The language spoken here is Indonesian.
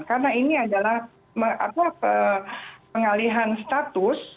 karena ini adalah pengalihan status